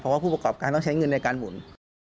เพราะว่าผู้ประกอบการต้องใช้เงินในการหมุน